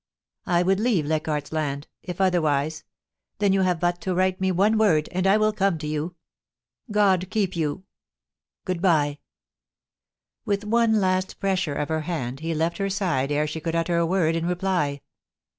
I would leave Leichardt's Land — if otherwise — then you have but to write me one word, and I will come to you. ... God keep you !— Good bye. ...' With one last pressure of her hand he left her side ere she could utter a word in reply.